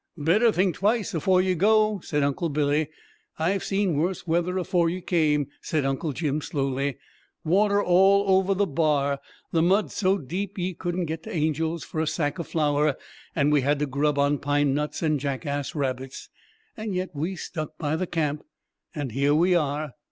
"Better think twice afore ye go," said Uncle Billy. "I've seen worse weather afore ye came," said Uncle Jim slowly. "Water all over the Bar; the mud so deep ye couldn't get to Angel's for a sack o' flour, and we had to grub on pine nuts and jackass rabbits. And yet we stuck by the camp, and here we are!"